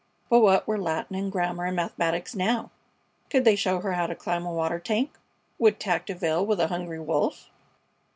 But what were Latin and German and mathematics now? Could they show her how to climb a water tank? Would tact avail with a hungry wolf?